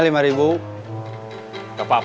peserta enggak ada